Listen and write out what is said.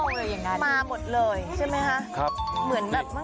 บรรยากาศการแหนักรำหน้าหน้าของเขาสนุกสนานของเขา